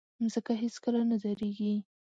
مځکه هیڅکله نه دریږي.